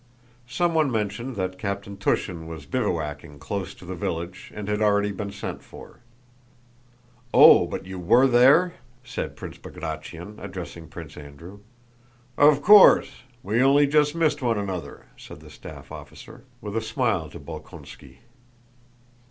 Someone mentioned that Captain Túshin was bivouacking close to the village and had already been sent for. "Oh, but you were there?" said Prince Bagratión, addressing Prince Andrew. "Of course, we only just missed one another," said the staff officer, with a smile to Bolkónski.